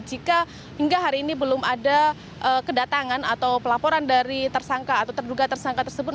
jika hingga hari ini belum ada kedatangan atau pelaporan dari tersangka atau terduga tersangka tersebut